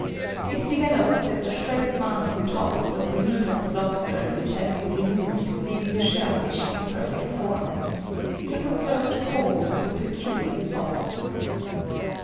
It developed that the shredded mass on top was the meat of the lobster which had been removed leaving the shell fish in perfect form. It was served cold, with a peculiar sauce.